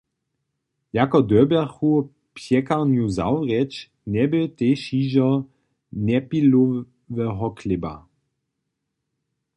Jako dyrbjachu pjekarnju zawrěć, njebě tež hižo Njepiloweho chlěba.